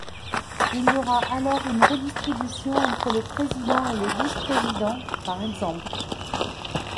Il y aura alors une redistribution entre le président et les vice-présidents, par exemple.